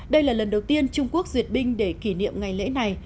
đây là lần đầu tiên trung quốc duyệt binh để kỷ niệm ngày lễ này